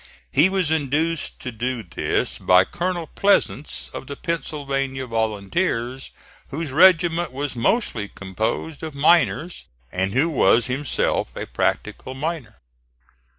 He was induced to do this by Colonel Pleasants, of the Pennsylvania Volunteers, whose regiment was mostly composed of miners, and who was himself a practical miner.